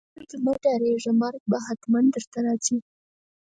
له مرګ مه ډاریږئ ، مرګ به ختمن درته راځي